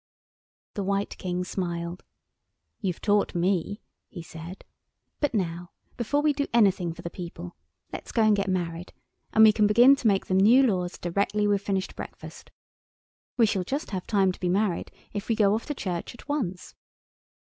The White King smiled. "You've taught me," he said; "but now, before we do anything for the people, let's go and get married, and we can begin to make the new laws directly we've finished breakfast. We shall just have time to be married if we go off to church at once."